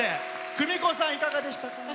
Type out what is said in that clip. クミコさん、いかがでしたか？